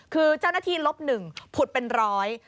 คือเจ้าหน้าที่ลบหนึ่งผุดเป็นร้อย